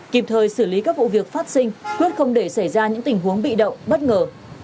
kịp thời xử lý các vụ việc phát sinh quyết không để xảy ra những tình huống bị động bất ngờ